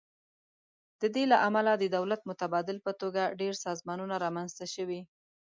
د دې له امله د دولت متبادل په توګه ډیر سازمانونه رامینځ ته شوي.